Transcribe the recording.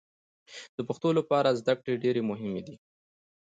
د پښتنو لپاره زدکړې ډېرې مهمې دي